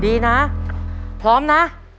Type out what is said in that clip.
ดีนะพร้อมนะ